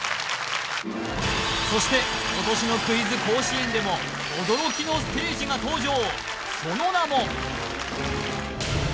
そして今年のクイズ甲子園でも驚きのステージが登場